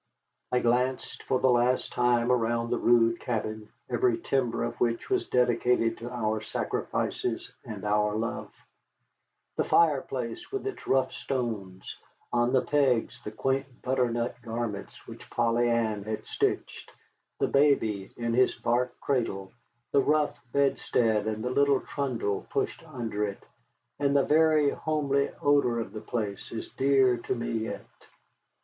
I glanced for the last time around the rude cabin, every timber of which was dedicated to our sacrifices and our love: the fireplace with its rough stones, on the pegs the quaint butternut garments which Polly Ann had stitched, the baby in his bark cradle, the rough bedstead and the little trundle pushed under it, and the very homely odor of the place is dear to me yet.